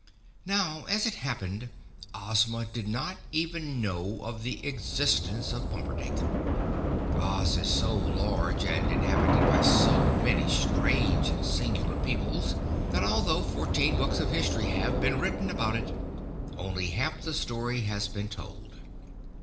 Now, as it happened, Ozma did not even know of the existence of Pumperdink. Oz is so large and inhabited by so many strange and singular peoples that although fourteen books of history have been written about it, only half the story has been told.